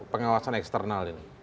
pengawasan eksternal ini